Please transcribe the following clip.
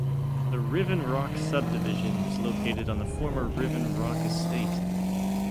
The Riven Rock subdivision is located on the former Riven Rock Estate.